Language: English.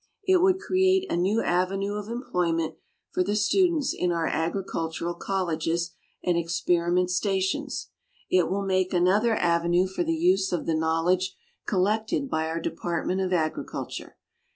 It would create a new avenue of employment for the students in our agricultural colleges and experiment stations; it will make another avenue for the use of the knowledge collected by our Department of Agriculture.